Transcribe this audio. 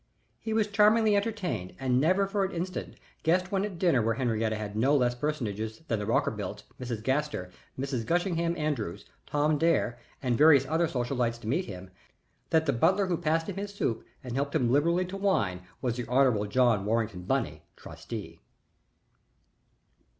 He was charmingly entertained and never for an instant guessed when at dinner where Henriette had no less personages than the Rockerbilts, Mrs. Gaster, Mrs. Gushington Andrews, Tommy Dare, and various other social lights to meet him, that the butler who passed him his soup and helped him liberally to wine was the Hon. John Warrington Bunny, trustee.